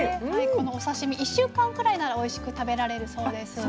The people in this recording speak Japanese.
このお刺身１週間くらいならおいしく食べられるそうです。